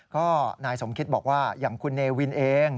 ก็นายสมคิตบอกว่าอย่างคุณเนวินเอง